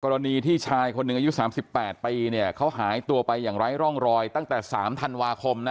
กรณีที่ชายคนหนึ่งอายุ๓๘ปีเนี่ยเขาหายตัวไปอย่างไร้ร่องรอยตั้งแต่๓ธันวาคมนะ